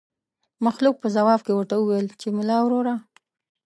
مخلوق په ځواب کې ورته وويل چې ملا وروره.